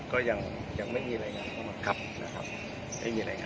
ตอนนี้กำลังสอบถึง